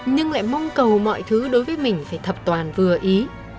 nhưng lại mong cầu mọi thứ đối với mình phải thập toàn vừa ý